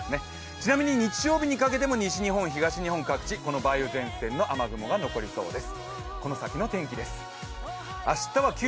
ちなみに日曜日にかけても西日本、東日本各地、この梅雨前線の雨雲が残りそうです。